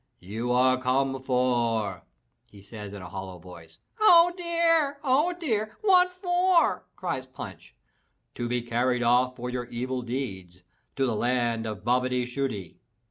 "You are come for," he says in a hollow voice. "Oh dear! Oh dear! What for?" cries Punch. "To be carried off for your evil deeds, to the land of Bobbety Shooty."